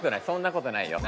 そんなことない。